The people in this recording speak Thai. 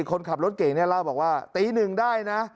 คนขับรถเก่งเนี่ยเล่าบอกว่าตีหนึ่งได้นะ